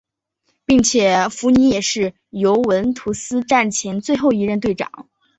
并且福尼也是尤文图斯战前最后一任队长。